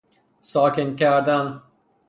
ساکن کردن